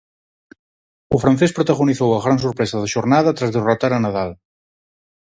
O francés protagonizou a gran sorpresa da xornada tras derrotar a Nadal.